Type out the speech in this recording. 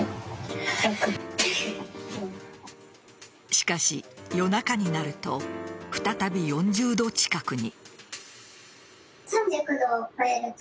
しかし、夜中になると再び４０度近くに。